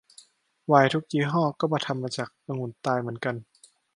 ไวน์ทุกยี่ห้อก็ทำมาจากองุ่นตายเหมือนกัน